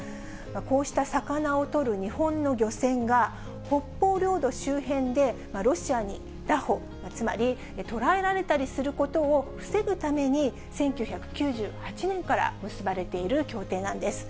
こうした魚を取る日本の漁船が、北方領土周辺で、ロシアに拿捕、つまり捕らえられたりすることを防ぐために、１９９８年から結ばれている協定なんです。